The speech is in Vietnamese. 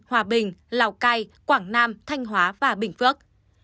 hòa bình lào cai quảng nam thanh hóa và bình phước